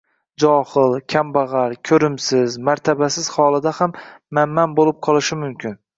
Johil, kambag‘al, ko‘rimsiz, martabasiz holida ham manman bo‘lib qolishi mumkin.